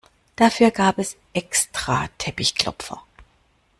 Dafür gab es extra Teppichklopfer.